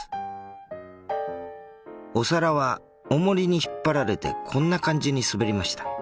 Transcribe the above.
お皿はオモリに引っ張られてこんな感じに滑りました。